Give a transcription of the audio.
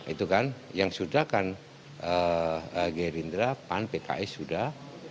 itu kan yang sudah kan gerindra pan pks sudah